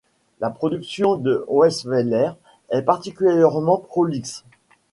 La production de Weisweiler est particulièrement prolixe.